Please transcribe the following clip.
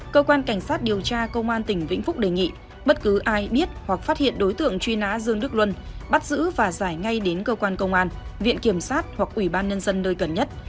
cơ quan cảnh sát điều tra công an tỉnh vĩnh phúc đề nghị bất cứ ai biết hoặc phát hiện đối tượng truy nã dương đức luân bắt giữ và giải ngay đến cơ quan công an viện kiểm sát hoặc ủy ban nhân dân nơi gần nhất